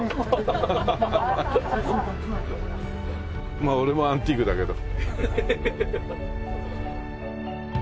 まあ俺もアンティークだけど。